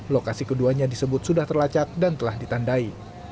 lokasi keduanya disebut sudah terlacak dan telah ditandai